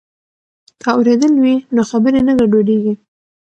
که اورېدل وي نو خبرې نه ګډوډیږي.